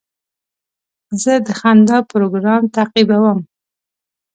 زه د خندا پروګرام تعقیبوم.